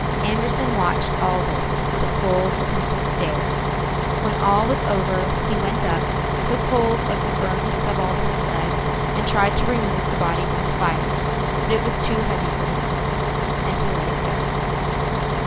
Andersen watched all this with a cold, attentive stare. When all was over, he went up, took hold of the burned subaltern's legs, and tried to remove the body from the fire. But it was too heavy for him, and he let it go.